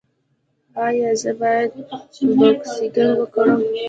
ایا زه باید بوکسینګ وکړم؟